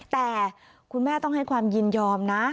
แต่คุณแม่ต้องให้ความยินยอมนะ